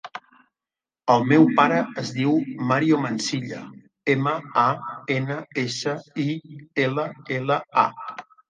El meu pare es diu Mario Mansilla: ema, a, ena, essa, i, ela, ela, a.